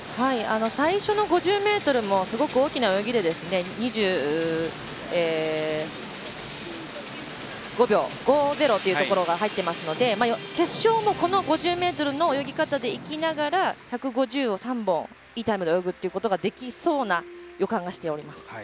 最初の５０ｍもすごく大きな泳ぎで２５秒５０というところが入っていますので決勝も、この５０ｍの泳ぎ方でいきながら１５０を３本いいタイムで泳ぐっていうことができそうな予感がしています。